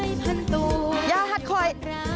ยายาหัดข่อย